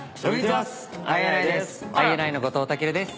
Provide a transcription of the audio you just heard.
ＩＮＩの後藤威尊です。